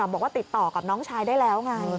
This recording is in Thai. บอกว่าติดต่อกับน้องชายได้แล้วไง